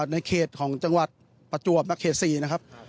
ในเขตของจังหวัดประจวบและเขต๔นะครับ